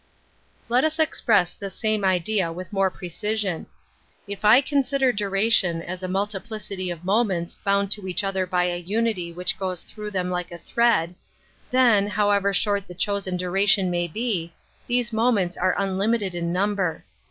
Let us express the same idea with more precision. If I consider duration as a multiplicity of moments bound to each other by a unity which goes through them like a thread, then, however short the chosen duration may be, these moments are un limited in number.